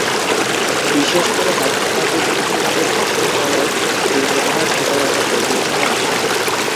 বিশেষ করে হাসপাতালটি মহাসড়কের পাশে হওয়ায় দুর্ঘটনার শিকার অনেক রোগী এখানে আসেন।